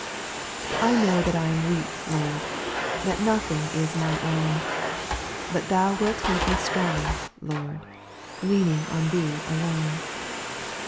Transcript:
4. I know that I am weak, Lord, That nothing is my own ; But Thou wilt make me strong, Lord, Leaning on Thee alone.